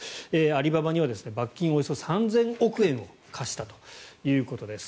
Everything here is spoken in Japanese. アリババには罰金およそ３０００億円を科したということです。